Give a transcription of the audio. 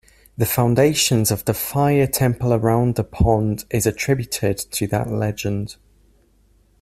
The foundations of the fire temple around the pond is attributed to that legend.